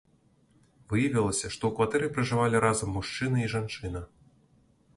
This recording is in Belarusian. Выявілася, што ў кватэры пражывалі разам мужчына і жанчына.